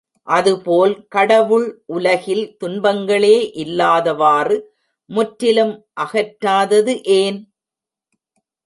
அதுபோல், கடவுள் உலகில் துன்பங்களே இல்லாதவாறு முற்றிலும் அகற்றாதது ஏன்?